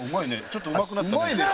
ちょっとうまくなったね」